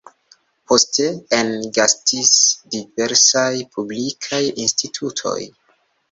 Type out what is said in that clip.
Poste ene gastis diversaj publikaj institutoj.